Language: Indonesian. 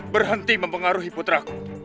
berhenti mempengaruhi putraku